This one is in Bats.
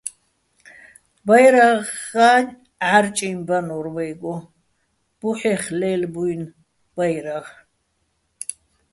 ბაჲრაღა́ ჺა́რჭიჼ ბანო́რ ვაჲგო, ბუჰ̦ეხ ლე́ლბუჲნი ბაჲრაღ.